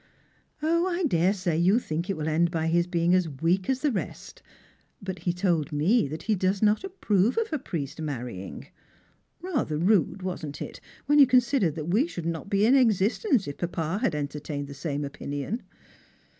" 0, I daresay you think it will end by his being as weak aa the rest. But he told me that he does not approve of a priest marrying — rather rude, wasn't it ? when you consider that wo should not be in existence, if papa had entertained the same opinion."